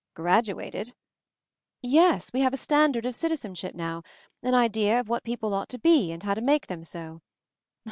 "Graduated?" "Yes. We have a standard of citizen ship now — an idea of what people ought to be and how to make them so.